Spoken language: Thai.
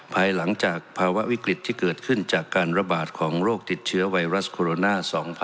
ภายหลังจากภาวะวิกฤตที่เกิดขึ้นจากการระบาดของโรคติดเชื้อไวรัสโคโรนา๒๐๑๖